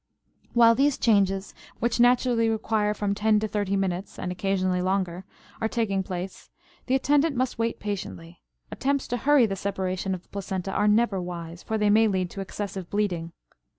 While these changes, which naturally require from ten to thirty minutes and occasionally longer, are taking place, the attendant must wait patiently; attempts to hurry the separation of the placenta are never wise, for they may lead to excessive bleeding.